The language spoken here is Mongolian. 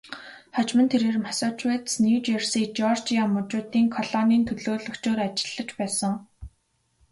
Хожим нь тэрээр Массачусетс, Нью Жерси, Жеоржия мужуудын колонийн төлөөлөгчөөр ажиллаж байсан.